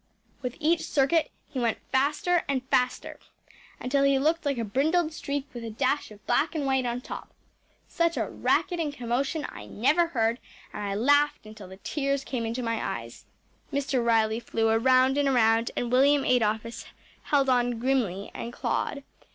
With each circuit he went faster and faster, until he looked like a brindled streak with a dash of black and white on top. Such a racket and commotion I never heard, and I laughed until the tears came into my eyes. Mr. Riley flew around and around, and William Adolphus held on grimly and clawed.